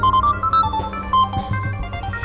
tidak ada apa apa